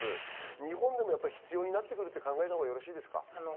日本でも必要になってくると考えたほうがよろしいですか？